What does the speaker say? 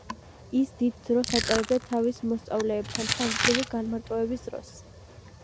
ის დიდ დროს ატარებდა თავის მოსწავლეებთან, ხანგრძლივი განმარტოების დროს.